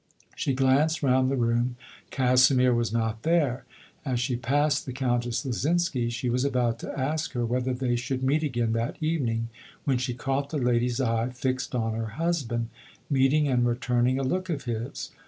She glanced round the room, Casimir was not there ; as she passed the Countess Lyzinski, she was about to ask her whether they should meet vol. i. H 146 LODORE. again that evening, when she caught the lady'a eye fixed on her husband, meeting and returning a look of his.